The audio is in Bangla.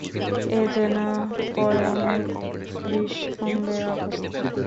এ যেন পয়োমুখ বিষকুম্ভের অবস্থা।